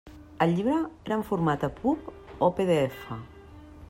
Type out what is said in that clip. El llibre era en format EPUB o PDF?